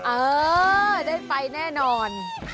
เออได้ไปแน่นอน